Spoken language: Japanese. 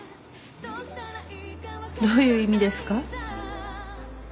どういう意味ですか？